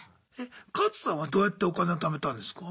カツさんはどうやってお金を貯めたんですか？